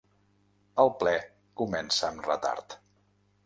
El ple comença amb retard.